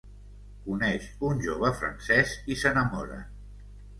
Coneix un jove francès i s’enamoren.